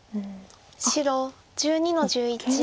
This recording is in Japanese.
白１２の十一。